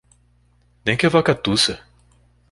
Nem que a vaca tussa